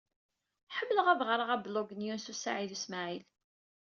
Ḥemmleɣ ad ɣreɣ ablug n Yunes u Saɛid u Smaɛil.